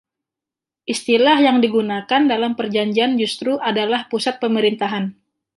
Istilah yang digunakan dalam perjanjian justru adalah pusat pemerintahan.